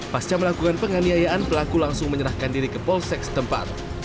pasca melakukan penganiayaan pelaku langsung menyerahkan diri ke polsek setempat